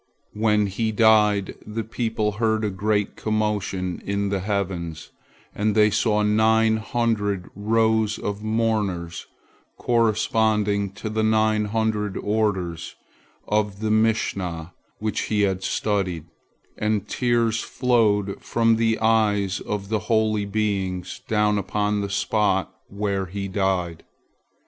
When he died, the people heard a great commotion in the heavens, and they saw nine hundred rows of mourners corresponding to the nine hundred orders of the Mishnah which he had studied, and tears flowed from the eyes of the holy beings down upon the spot where he died.